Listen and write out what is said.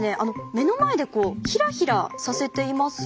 目の前でヒラヒラさせていますよね。